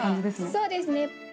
そうですね